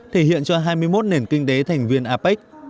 thể hiện cho hai mươi một nền kinh tế thành viên apec